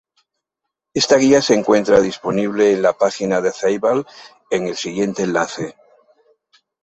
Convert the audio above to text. Esta guía se encuentra disponible en la página de Ceibal en el siguiente enlace.